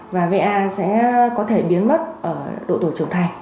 và va sẽ có thể biến mất ở độ tuổi trưởng thành